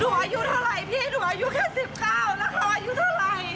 อายุเท่าไหร่พี่หนูอายุแค่๑๙แล้วค่ะอายุเท่าไหร่